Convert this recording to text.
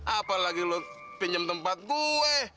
apalagi lu pinjem tempat gue